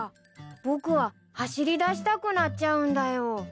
僕は走りだしたくなっちゃうんだよ。